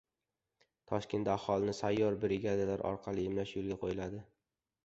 Toshkentda aholini sayyor brigadalar orqali emlash yo‘lga qo‘yildi